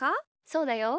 そうだよ。